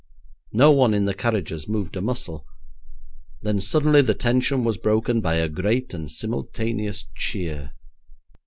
No one in the carriages moved a muscle, then suddenly the tension was broken by a great and simultaneous cheer.